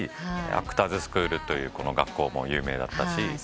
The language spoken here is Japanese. アクターズスクールという学校も有名だったし。